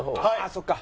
そっか。